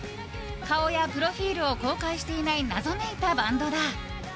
顔やプロフィールを公開していない謎めいたバンドだ。